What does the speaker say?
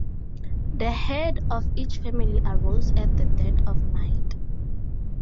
The head of each family arose at the dead of night.